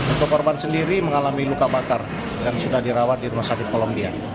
untuk korban sendiri mengalami luka bakar dan sudah dirawat di rumah sakit kolombia